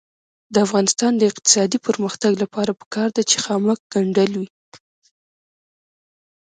د افغانستان د اقتصادي پرمختګ لپاره پکار ده چې خامک ګنډل وي.